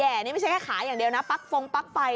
นี่ไม่ใช่แค่ขายอย่างเดียวนะปั๊กฟงปั๊กไฟ